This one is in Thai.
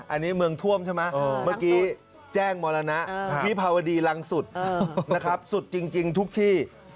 อันนี้เมืองท่วมใช่ไหมเมื่อกี้แจ้งมรณะวิภาวดีรังสุดนะครับสุดจริงทุกที่